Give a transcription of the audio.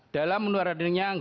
dalam menurutnya gak bisa pilih